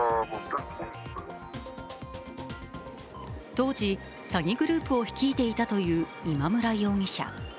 当時、詐欺グループを率いてきたという今村容疑者。